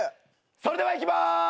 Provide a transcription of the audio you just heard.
それではいきます！